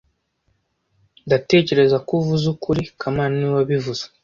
Ndatekereza ko uvuze ukuri kamana niwe wabivuze